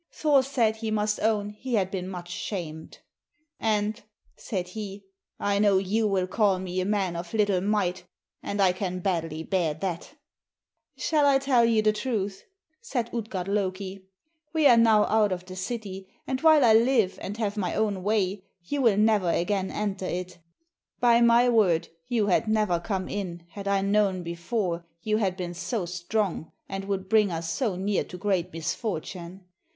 Thor said he must own he had been much shamed. "And," said he, "I know you will call me a man of little might, and I can badly bear that." "Shall I tell you the truth?" said Utgard Loki. "We are now out of the city, and while I live and have my own way, you will never again enter it. By my word you had never come in had I known before you had been so strong and would bring us so near to great misfortune.